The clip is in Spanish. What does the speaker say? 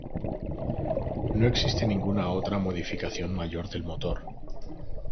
No existe ninguna otra modificación mayor del motor.